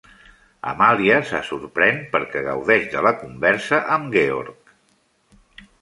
Amalia se sorprèn perquè gaudeix de la conversa amb Georg.